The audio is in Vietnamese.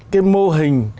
cái mô hình